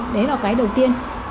đấy là cái đầu tiên